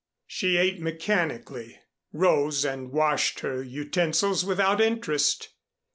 She ate mechanically, rose and washed her utensils without interest.